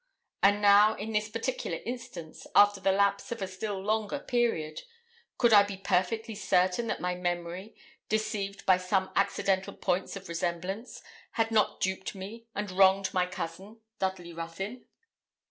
And now, in this particular instance, after the lapse of a still longer period, could I be perfectly certain that my memory, deceived by some accidental points of resemblance, had not duped me, and wronged my cousin, Dudley Ruthyn?